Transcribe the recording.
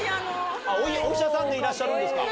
お医者さんでいらっしゃるんですか。